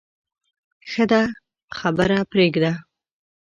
ښه ده خبره پرېږدې.